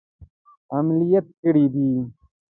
عملیات کړي دي.